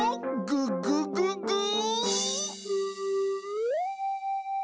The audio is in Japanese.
「ググググー」